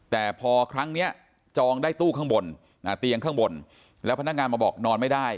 แต่พอครั้งนี้จองได้ตู้ข้างบนเตียงข้างบนแล้วพนักงานมาบอกนอนไม่ได้